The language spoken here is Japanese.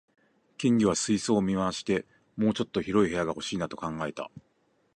金魚が水槽を見回して、「もうちょっと広い部屋が欲しいな」と考えた